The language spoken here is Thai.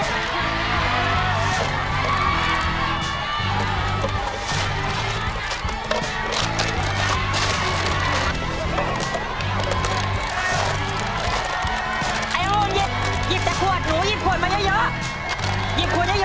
ไปเหยียบหนูไปเหยียบไปเหยียบ